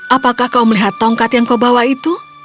apakah kau melihat tongkat yang kau bawa itu